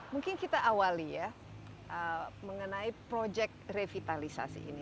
mungkin kita awali ya mengenai proyek revitalisasi ini